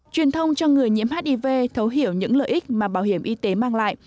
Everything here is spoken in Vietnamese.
truyền thông cho người nhiễm hiv thấu hiểu những lợi ích mà bảo hiểm y tế mang lại